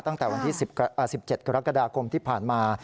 ตั้งแต่วันที่๑๗กรกฎาคมที่ผ่านมา